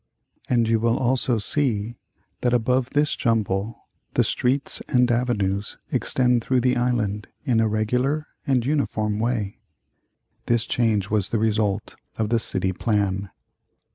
And you will also see that above this jumble the streets and avenues extend through the island in a regular and uniform way. This change was the result of the City Plan.